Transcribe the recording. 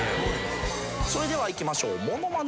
それではいきましょうモノマネ